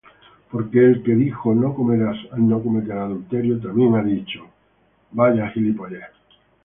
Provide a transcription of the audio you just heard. Porque el que dijo: No cometerás adulterio, también ha dicho: